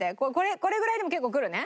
これぐらいでも結構くるね？